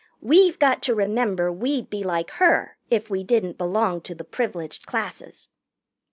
We've got to remember we'd be like her if we didn't belong to the Privileged Classes."